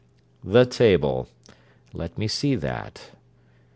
'The table! let me see that.